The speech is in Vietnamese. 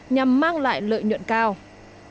nhằm mang lại một cơ quan thần kinh của chúng ta